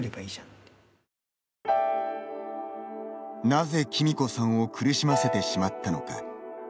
なぜ、きみこさんを苦しませてしまったのか。